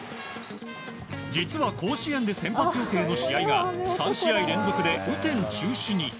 実は甲子園で先発予定の試合が３試合連続で雨天中止に。